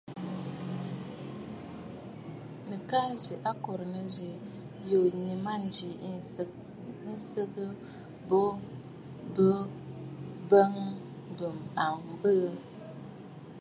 Nɨ̀ ka nzi akòrə̀ nɨzî yuu nɨ mânjì mɨ̀tsyɛ̀ bu bɨ bə̀ bɨ abɛɛ.